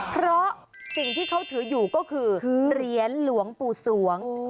เพราะสิ่งที่เขาถืออยู่ก็คือเหรียญหลวงปู่สวง